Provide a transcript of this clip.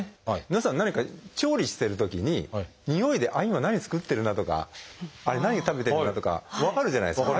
皆さん何か調理してるときににおいで今何作ってるなとかあれ何を食べてるなとか分かるじゃないですか。